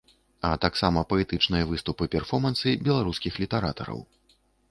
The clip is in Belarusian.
А таксама паэтычныя выступы-перформансы беларускіх літаратараў.